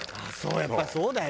やっぱりそうだよね